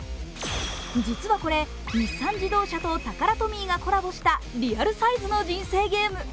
実はこれ、日産自動車とタカラトミーがコラボしたリアルサイズの「人生ゲーム」。